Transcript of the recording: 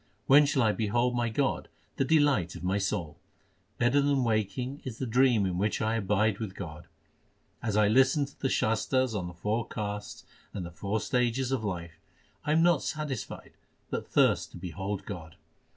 When shall I behold my God the delight of my soul ? Better than waking is the dream in which I abide with God. As I listen to the Shastars on the four castes and the four stages of life, I am not satisfied but thirst to behold God.